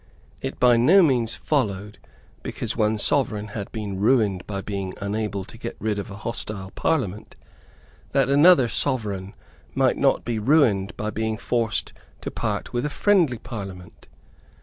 It by no means followed because one sovereign had been ruined by being unable to get rid of a hostile Parliament that another sovereign might not be ruined by being forced to part with a friendly Parliament.